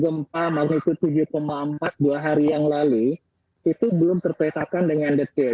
gempa magnitud tujuh empat dua hari yang lalu itu belum terpetakan dengan detail